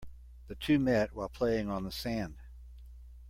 The two met while playing on the sand.